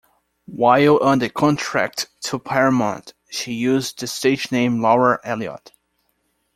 While under contract to Paramount, she used the stage name Laura Elliot.